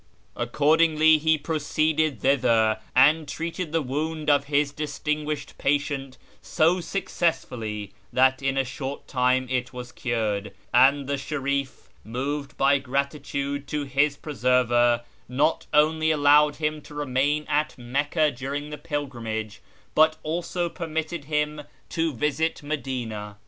Accordingly he proceeded thither, and treated the wound of his distinguished patient so successfully that in a short time it was cured, and the Sherif, moved by gratitude to his preserver, not only allowed him to remain at Mecca during the Pilgrimage, but also permitted him to visit Medina.